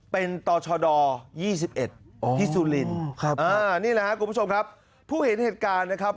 เป็นตโชดอ๒๐๒๑ที่สุรินป์นี่ละครับผู้เห็นเหตุการณ์นะครับ